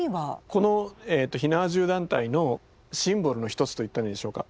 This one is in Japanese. この火縄銃団体のシンボルの一つと言ったらいいでしょうか。